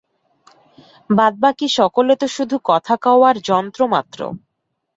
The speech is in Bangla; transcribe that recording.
বাদ বাকী সকলে তো শুধু কথা কওয়ার যন্ত্রমাত্র।